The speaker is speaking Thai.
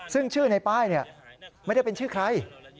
ซึ่งชื่อในป้ายไม่ได้เป็นชื่อใคร